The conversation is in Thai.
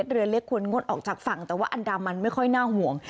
เรือเล็กควรงดออกจากฝั่งแต่ว่าอันดามันไม่ค่อยน่าห่วง